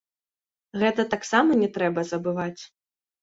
Гэта таксама не трэба забываць.